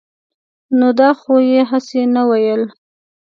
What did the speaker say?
نو دا خو يې هسې نه وييل -